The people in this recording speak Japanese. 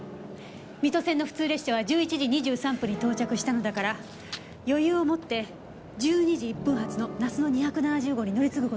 水戸線の普通列車は１１時２３分に到着したのだから余裕を持って１２時１分発のなすの２７０号に乗り継ぐ事が出来たはず。